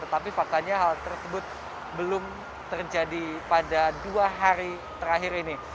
tetapi faktanya hal tersebut belum terjadi pada dua hari terakhir ini